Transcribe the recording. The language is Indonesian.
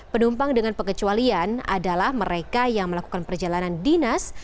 penumpang dengan pengecualian adalah mereka yang melakukan perjalanan dinas